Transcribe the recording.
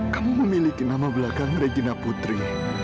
kamu memiliki nama belakang regina putri